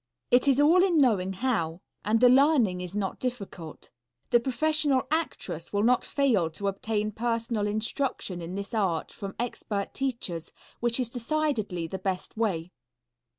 It is all in knowing how, and the learning is not difficult. The professional actress will not fail to obtain personal instruction in this art from expert teachers, which is decidedly the best way.